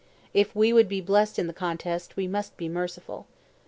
If we would be blessed in the contest, we must be merciful."